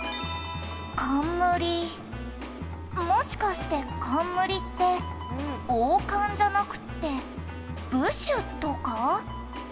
「冠」「もしかして冠って王冠じゃなくて部首とか？」